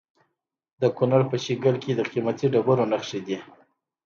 د کونړ په شیګل کې د قیمتي ډبرو نښې دي.